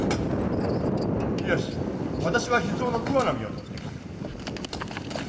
よし私は秘蔵の桑の実をとって来よう。